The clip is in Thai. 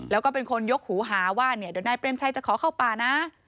แล้วก็เป็นคนยกหูหาว่าเนี่ยเดี๋ยวนายเปรมชัยจะขอเข้าป่านะ